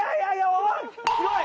おい！